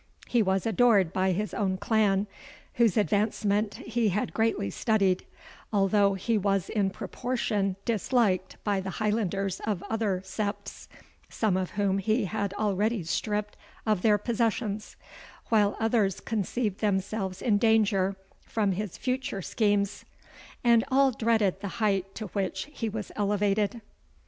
He was adored by his own clan, whose advancement he had greatly studied, although he was in proportion disliked by the Highlanders of other septs, some of whom he had already stripped of their possessions, while others conceived themselves in danger from his future schemes, and all dreaded the height to which he was elevated.